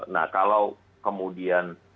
nah kalau kemudian